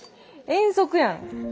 遠足やん。